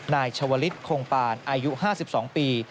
นายชวลิศคงปานอายุ๕๒ปี